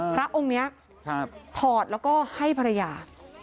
พระองค์นี้ถอดแล้วก็ให้ภรรยา